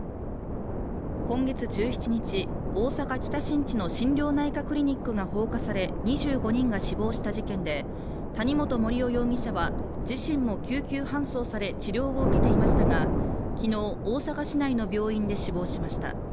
今月１７日、大阪・北新地の心療内科クリニックが放火され２５人が死亡した事件で、谷本盛雄容疑者は、自身も救急搬送され治療を受けていましたが、昨日、大阪市内の病院で死亡しました。